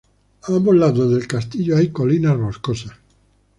A ambos lados del castillo hay colinas boscosas.